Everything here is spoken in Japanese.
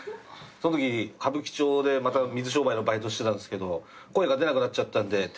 そのとき歌舞伎町で水商売のバイトしてたんですけど声が出なくなっちゃったんで